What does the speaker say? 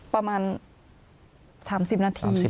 ประมาณ๓๐นาที